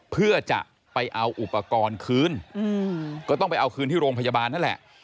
เพื่อจะไปเอาอุปกรณ์คืนก็ต้องไปเอาคืนที่โรงพยาบาลนั่นแหละ